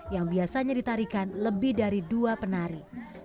yang biasanya ditarikan lebih dari dua penari